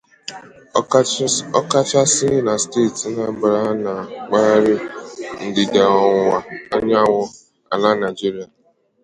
ọkachasị na steeti Anambra nà ná mpaghara ndịda-ọwụwa anyanwụ ala Nigeria